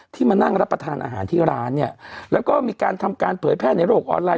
มานั่งรับประทานอาหารที่ร้านเนี่ยแล้วก็มีการทำการเผยแพร่ในโลกออนไลน